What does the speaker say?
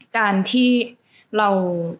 การที่เรา